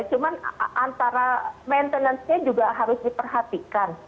cuman antara maintenance nya juga harus diperhatikan